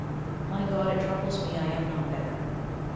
My God, it troubles me I am not better.